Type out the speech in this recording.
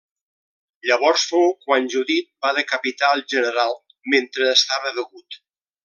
Llavors fou quan Judit va decapitar el general mentre estava begut.